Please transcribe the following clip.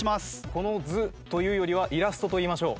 この図というよりはイラストと言いましょう。